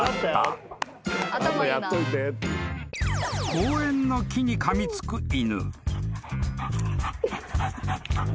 ［公園の木にかみつく犬］